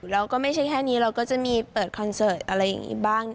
แล้วก็ไม่ใช่แค่นี้เราก็จะมีเปิดคอนเสิร์ตอะไรอย่างนี้บ้าง